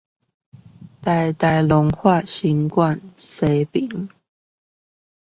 臺大農化新館西側